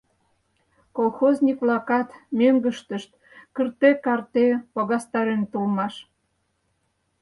Колхозник-влакат мӧҥгыштышт кырте-карте погастареныт улмаш.